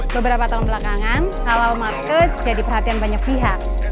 beberapa tahun belakangan halal market jadi perhatian banyak pihak